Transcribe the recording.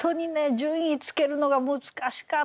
順位つけるのが難しかったですね。